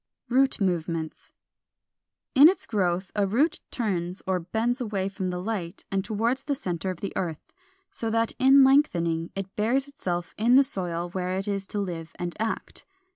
464. =Root movements.= In its growth a root turns or bends away from the light and toward the centre of the earth, so that in lengthening it buries itself in the soil where it is to live and act.